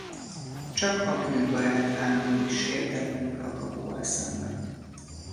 Csak a kő barát áll ma is sértetlenül a kapuval szemben.